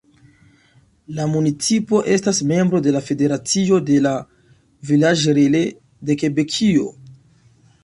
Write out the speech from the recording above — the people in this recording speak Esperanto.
La municipo estas membro de la Federacio de la "Villages-relais" de Kebekio.